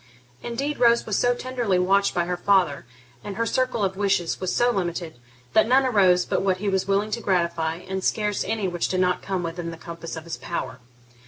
Indeed Rose was so tenderly watched by her father, and her circle of wishes was so limited, that none arose but what he was willing to gratify, and scarce any which did not come within the compass of his power.